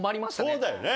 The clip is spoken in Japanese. そうだよね。